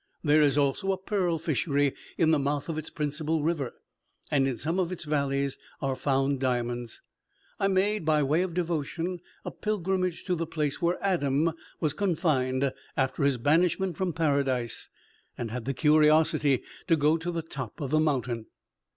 There is also a pearl fishery in the mouth of its principal river; and in some of its valleys are found diamonds. I made, by way of devotion, a pilgrimage to the place where Adam was confined after his banishment from Paradise, and had the curiosity to go to the top of the mountain.